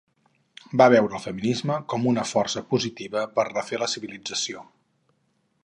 Va veure el feminisme com una força positiva per refer la civilització.